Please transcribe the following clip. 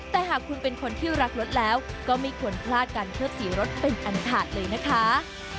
แต่หากคุณเป็นคนที่รักรถแล้วก็ไม่ควรพลาดการเชิดสีรถเป็นอันขาดเลยนะคะ